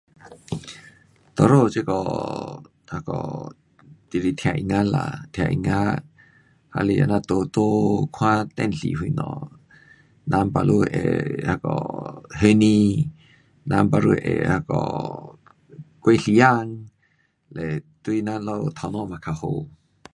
哪里现在可以听音乐，听音乐看电视。人们可以-人们可以打发时间，对我们头脑也更好